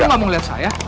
kamu gak mau ngeliat saya